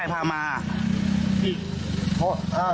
เฉพาะค่ะ